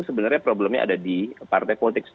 sebenarnya problemnya ada di partai politik